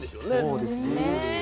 そうですね。